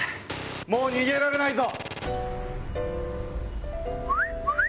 もう逃げられないぞ！